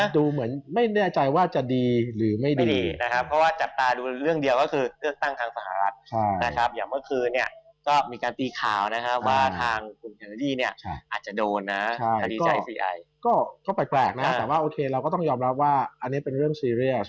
แต่ว่าโอเคเราก็ต้องยอมรับว่าอันนี้เป็นเรื่องซีเรียส